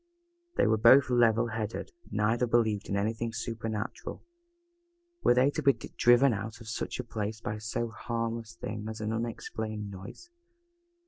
They were both level headed, neither believed in anything super natural. Were they to be driven out of such a place by so harmless a thing as an unexplained noise?